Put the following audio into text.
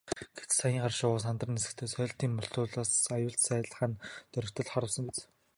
Гэтэл саяын хар шувуу сандран нисэхдээ сойлтыг мулталснаас аюулт сааль хана доргитол харвасан биз.